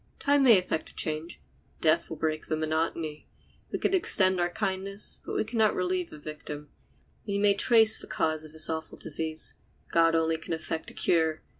Time may effect a change; death will break the monotony. We can extend our kindness, but can not relieve the victim. We may trace the cause of this awful disease; God only can effect a cure.